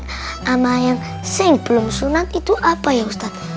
sama yang yang belum sunat itu apa ya ustaz